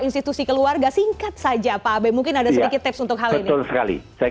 institusi keluarga singkat saja pak abe mungkin ada sedikit tips untuk hal ini saya